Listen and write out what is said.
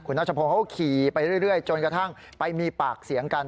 นัชพงศ์เขาก็ขี่ไปเรื่อยจนกระทั่งไปมีปากเสียงกัน